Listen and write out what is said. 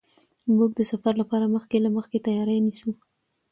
موږ د سفر لپاره مخکې له مخکې تیاری نیسو.